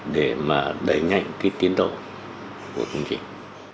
để mà đẩy nhanh cái tiến độ của công trình